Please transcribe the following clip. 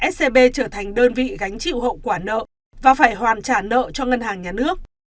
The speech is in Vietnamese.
scb trở thành đơn vị gánh chịu hậu quả nợ và phải hoàn trả nợ cho ngân hàng nhà nước